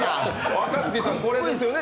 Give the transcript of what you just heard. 若槻さん、これですよね。